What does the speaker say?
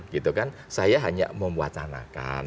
gitu kan saya hanya mewacanakan